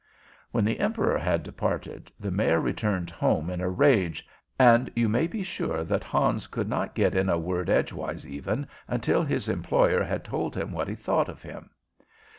When the Emperor had departed, the Mayor returned home in a rage, and you may be sure that Hans could not get in a word edgewise even until his employer had told him what he thought of him.